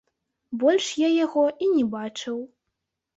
Больш я яго і не бачыў.